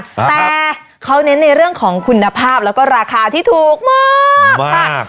แต่เขาเน้นในเรื่องของคุณภาพแล้วก็ราคาที่ถูกมากค่ะ